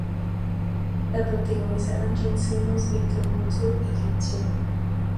La protagonizaron Jean Simmons, Victor Mature y Gene Tierney.